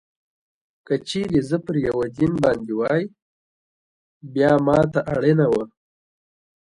که چېرې زه پر یوه دین باندې وای، بیا ما ته اړینه وه.